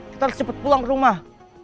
kita harus cepat pulang ke rumah